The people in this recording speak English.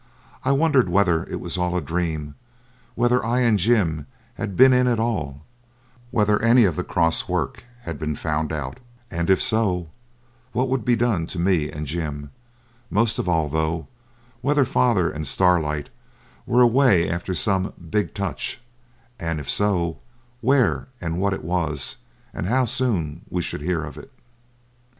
I wondered whether it was all a dream; whether I and Jim had been in at all; whether any of the 'cross work' had been found out; and, if so, what would be done to me and Jim; most of all, though, whether father and Starlight were away after some 'big touch'; and, if so, where and what it was, and how soon we should hear of it.